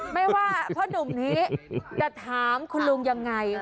ไม่ว่าพ่อหนุ่มนี้จะถามคุณลุงยังไง